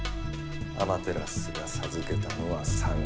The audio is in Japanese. アマテラスが授けたのは「三種の神器」。